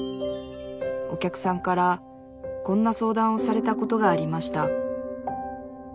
お客さんからこんな相談をされたことがありました